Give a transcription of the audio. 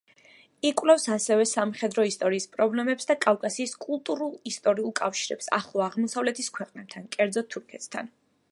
იკვლევს ასევე სამხედრო ისტორიის პრობლემებს და კავკასიის კულტურულ-ისტორიულ კავშირებს ახლო აღმოსავლეთის ქვეყნებთან, კერძოდ, თურქეთთან.